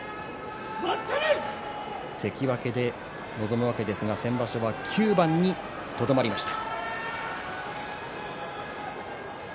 関脇で臨むわけですが先場所は９番にとどまりました。